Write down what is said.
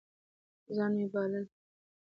ځان من بلل